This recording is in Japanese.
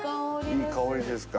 いい香りですか。